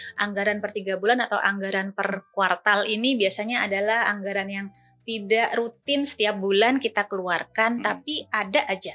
karena anggaran per tiga bulan atau anggaran per kuartal ini biasanya adalah anggaran yang tidak rutin setiap bulan kita keluarkan tapi ada aja